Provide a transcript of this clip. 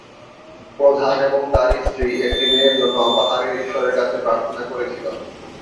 প্রধান এবং তার স্ত্রী একটি মেয়ের জন্য পাহাড়ের ঈশ্বরের কাছে প্রার্থনা করেছিল।